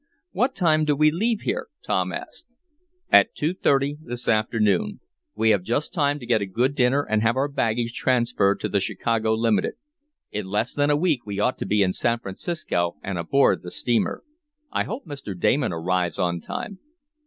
"What time do we leave here?" Tom asked. "At two thirty this afternoon. We have just time to get a good dinner and have our baggage transferred to the Chicago limited. In less than a week we ought to be in San Francisco and aboard the steamer. I hope Mr. Damon arrives on time."